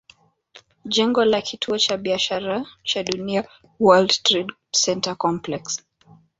Jengo la Kituo cha Biashara cha Dunia World Trade Center complex